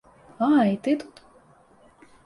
А, і ты тут!